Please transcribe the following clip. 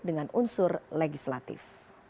dengan unsur legislatif